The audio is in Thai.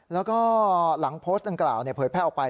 แล้วก็หลังโพสต์ดังกล่าวเผยแพร่ออกไป